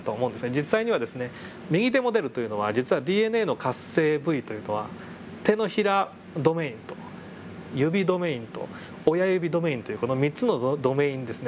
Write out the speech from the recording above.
実際にはですね右手モデルというのは実はＤＮＡの活性部位というのは手のひらドメインと指ドメインと親指ドメインというこの３つのドメインですね。